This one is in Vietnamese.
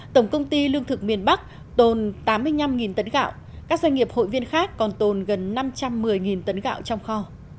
tổng công ty lương thực miền bắc tồn tám mươi năm tấn gạo các doanh nghiệp hội viên khác còn tồn gần năm trăm một mươi tấn gạo trong kho